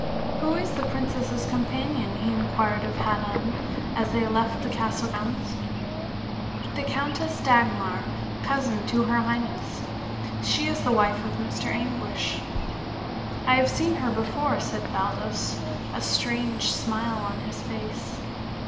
"Who is the princess's companion?" he inquired of Haddan, as they left the castle grounds. "The Countess Dagmar, cousin to her highness. She is the wife of Mr. Anguish." "I have seen her before," said Baldos, a strange smile on his face.